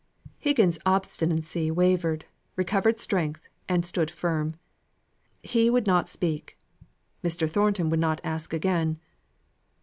Higgins's obstinacy wavered, recovered strength, and stood firm. He would not speak. Mr. Thornton would not ask again.